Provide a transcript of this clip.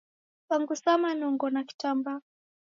Pangusa manongo na kitambaa